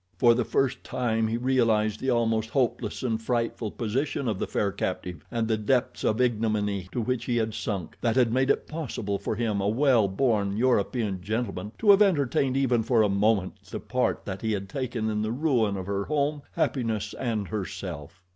For the first time he realized the almost hopeless and frightful position of the fair captive, and the depths of ignominy to which he had sunk, that had made it possible for him, a well born, European gentleman, to have entertained even for a moment the part that he had taken in the ruin of her home, happiness, and herself.